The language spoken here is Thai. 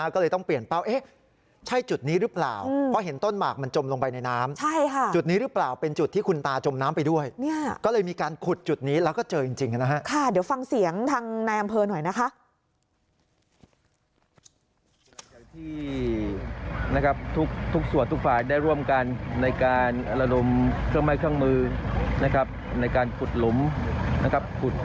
ก็เลยต้องเปลี่ยนเป้าไปดูจุดนี้รึเปล่า